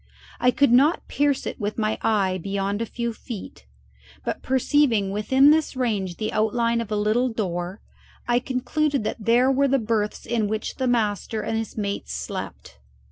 I could not pierce it with my eye beyond a few feet; but perceiving within this range the outline of a little door, I concluded that here were the berths in which the master and his mates slept.